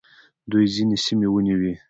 دوی ځینې سیمې ونیولې